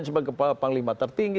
sebagai kepala panglima tertinggi